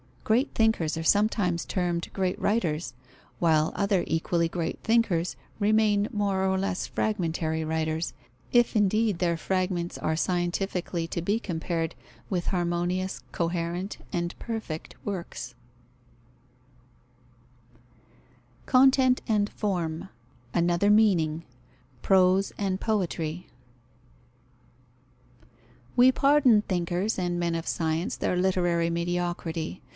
Great thinkers are sometimes termed great writers, while other equally great thinkers remain more or less fragmentary writers, if indeed their fragments are scientifically to be compared with harmonious, coherent, and perfect works. Content and form: another meaning. Prose and poetry. We pardon thinkers and men of science their literary mediocrity.